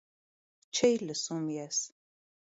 Չէի լսում ես: